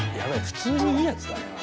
普通にいいやつだな。